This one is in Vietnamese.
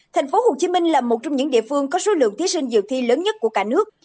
thành phố hồ chí minh là một trong những địa phương có số lượng thí sinh dự thi lớn nhất của cả nước